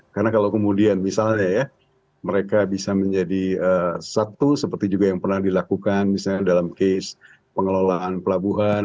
karena kalau kemudian misalnya ya mereka bisa menjadi satu seperti juga yang pernah dilakukan misalnya dalam case pengelolaan pelabuhan